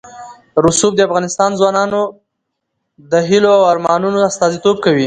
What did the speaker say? رسوب د افغان ځوانانو د هیلو او ارمانونو استازیتوب کوي.